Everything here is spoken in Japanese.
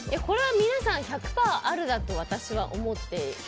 これは皆さん１００％あるなと私は思って。